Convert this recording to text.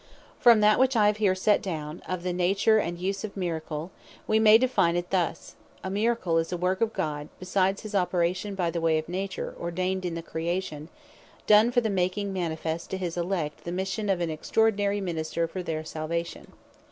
The Definition Of A Miracle From that which I have here set down, of the nature, and use of a Miracle, we may define it thus, "A MIRACLE, is a work of God, (besides his operation by the way of Nature, ordained in the Creation,) done for the making manifest to his elect, the mission of an extraordinary Minister for their salvation."